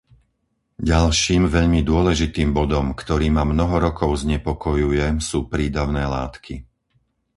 Ďalším veľmi dôležitým bodom, ktorý ma mnoho rokov znepokojuje sú prídavné látky.